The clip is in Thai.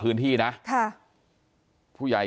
กลุ่มตัวเชียงใหม่